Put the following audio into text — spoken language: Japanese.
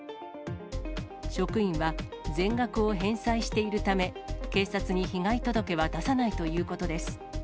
職員は全額を返済しているため、警察に被害届は出さないということです。